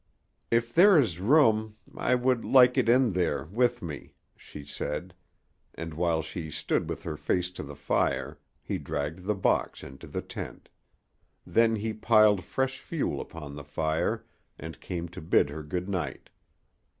"If there is room I would like it in there with me," she said, and while she stood with her face to the fire he dragged the box into the tent. Then he piled fresh fuel upon the fire and came to bid her good night.